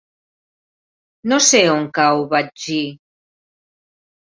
No sé on cau Betxí.